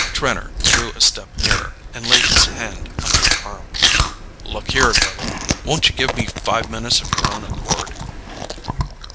Trenor drew a step nearer and laid his hand on her arm. "Look here, Lily: won't you give me five minutes of your own accord?"